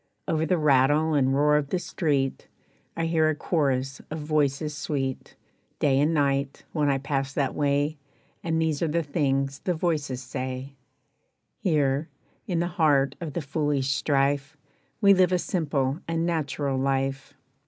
Over the rattle and roar of the street I hear a chorus of voices sweet, Day and night, when I pass that way, And these are the things the voices say: "Here, in the heart of the foolish strife, We live a simple and natural life.